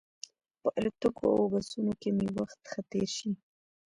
په الوتکو او بسونو کې مې وخت ښه تېر شي.